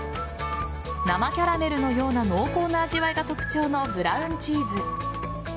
生キャラメルのような濃厚な味わいが特徴のブラウンチーズ。